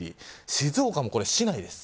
静岡も市内です。